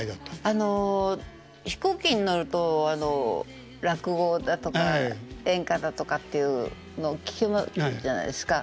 あの飛行機に乗ると落語だとか演歌だとかっていうの聴くじゃないですか。